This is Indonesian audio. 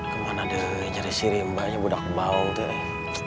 kemana deh nyaris si rimbaknya budak maung tuh nih